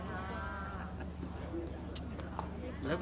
ครับ